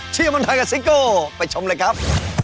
เชื่อบรรทัยกับซิโก้ไปชมเลยครับ